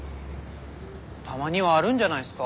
たまにはあるんじゃないっすか？